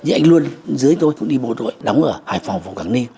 nhưng anh luôn dưới tôi cũng đi bộ đội đóng ở hải phòng phòng cảng ni